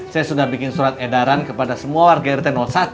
saya sudah bikin surat edaran kepada semua warga rt satu